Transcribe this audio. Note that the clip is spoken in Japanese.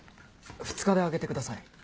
２日であげてください。